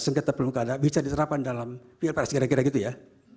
sengketa pilkada bisa diterapkan dalam pilpres kira kira gitu ya